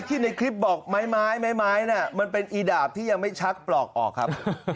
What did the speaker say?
ในคลิปบอกไม้ไม้น่ะมันเป็นอีดาบที่ยังไม่ชักปลอกออกครับ